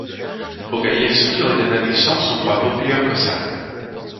Bogaïevski redonna du sens au droit populaire cosaque.